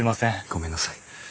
ごめんなさい。